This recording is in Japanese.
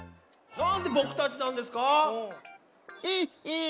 なんでぼくたちなんですか！？へっへん！